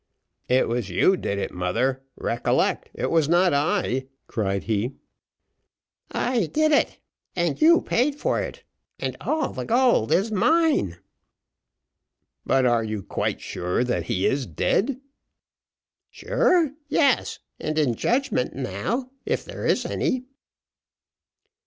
"It was you did it, mother; recollect it was not I," cried he. "I did it and you paid for it and all the gold is mine." "But are you quite sure that he is dead?" "Sure yes, and in judgment now, if there is any."